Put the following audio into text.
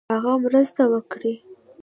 هغه مرسته وکړي.